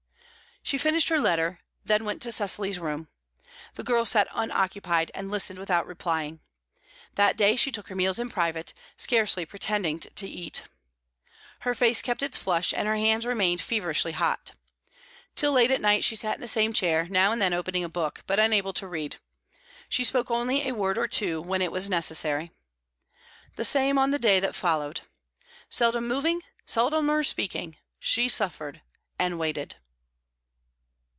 She finished her letter, then went to Cecily's room. The girl sat unoccupied, and listened without replying. That day she took her meals in private, scarcely pretending to eat. Her face kept its flush, and her hands remained feverishly hot. Till late at night she sat in the same chair, now and then opening a book, but unable to read; she spoke only a word or two, when it was necessary. The same on the day that followed. Seldom moving, seldomer speaking; she suffered and waited.